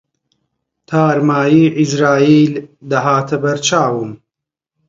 تارماییی عیزراییل دەهاتە بەر چاوم